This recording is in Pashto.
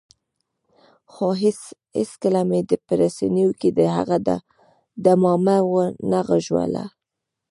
خو هېڅکله مې په رسنیو کې د هغه ډمامه ونه غږوله.